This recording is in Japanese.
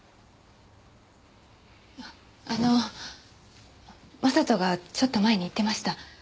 あの将人がちょっと前に言ってました。